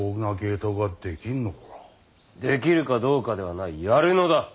できるかどうかではないやるのだ。